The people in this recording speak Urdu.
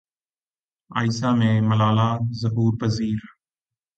اَیسا میں ملالہ ظہور پزیر